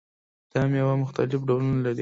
دا میوه مختلف ډولونه لري.